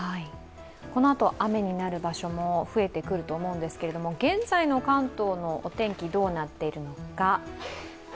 このあと雨になる場所も増えてくると思うんですけれども現在の関東のお天気、どうなっているのか。